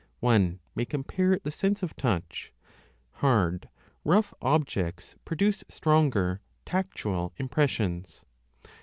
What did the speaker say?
One may compare the sense of touch ; hard, rough objects produce stronger 1 tactual im 15 pressions.